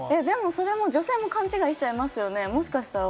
それって女性も勘違いしちゃいますよね。